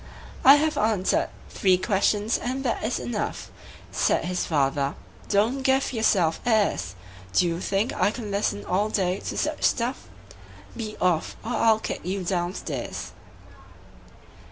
"I have answered three questions, and that is enough," Said his father. "Don't give yourself airs! Do you think I can listen all day to such stuff? Be off, or I'll kick you down stairs.